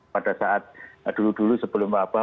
pada saat dulu dulu sebelum wabah